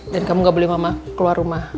dan kamu gak boleh mama keluar rumah